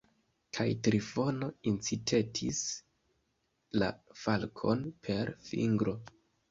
Kaj Trifono incitetis la falkon per fingro.